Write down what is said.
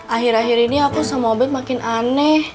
akhir akhir ini aku sama mobil makin aneh